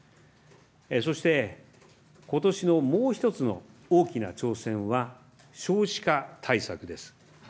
そして、ことしのもう１つの大きな挑戦は少子化対策です。